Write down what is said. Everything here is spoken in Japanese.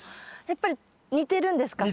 やっぱり似てるんですか？